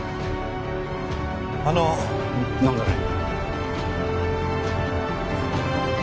あの何だね？